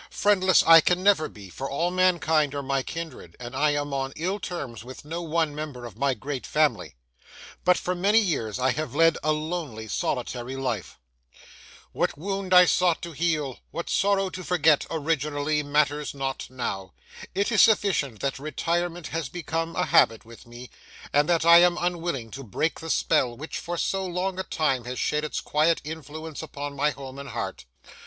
Friendless I can never be, for all mankind are my kindred, and I am on ill terms with no one member of my great family. But for many years I have led a lonely, solitary life;—what wound I sought to heal, what sorrow to forget, originally, matters not now; it is sufficient that retirement has become a habit with me, and that I am unwilling to break the spell which for so long a time has shed its quiet influence upon my home and heart.